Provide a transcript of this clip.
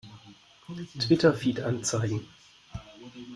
Twitter-Feed anzeigen!